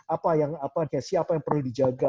apa yang apa yang siapa yang perlu dijaga